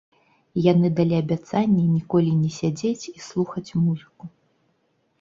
Яны далі абяцанне ніколі не сядзець і слухаць музыку.